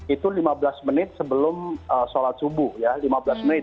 itu lima belas menit sebelum sholat subuh ya lima belas menit